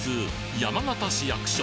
山形市役所